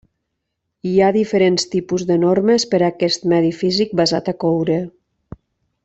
Hi ha diferents tipus de normes per a aquest medi físic basat a coure.